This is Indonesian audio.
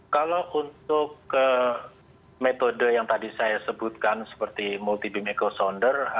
kalau untuk metode yang tadi saya sebutkan seperti multi beam echo sounder